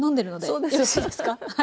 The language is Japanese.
よろしいですか？